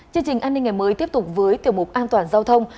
chương trình an ninh ngày mới tiếp tục với tiểu mục an toàn giao thông